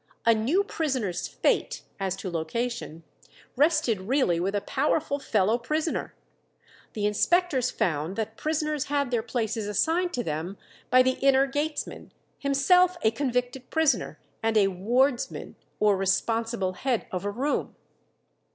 A new prisoner's fate, as to location, rested really with a powerful fellow prisoner. The inspectors found that prisoners had their places assigned to them by the inner gatesman, himself a convicted prisoner, and a "wardsman" or responsible head of a room.